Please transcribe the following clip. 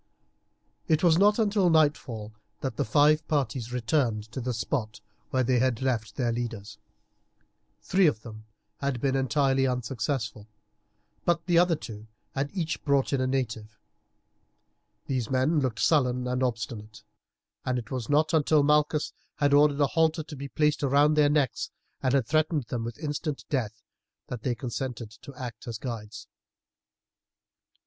It was not until nightfall that the five parties returned to the spot where they had left their leaders. Three of them had been entirely unsuccessful, but the other two had each brought in a native. These men looked sullen and obstinate, and it was not until Malchus had ordered a halter to be placed round their necks and threatened them with instant death that they consented to act as guides.